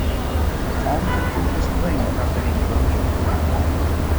Tom continues playing without any interruptions.